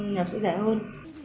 nhầm sẽ rẻ hơn